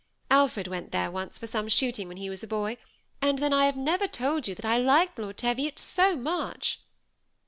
Alfred went there once for some shooting when he was a boy ; and then I have never told you that I like Lord Teviot so much."